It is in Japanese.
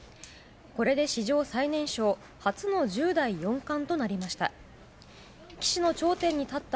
これで史上最年少初の１０代四冠となりました。